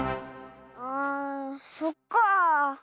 ああそっかあ。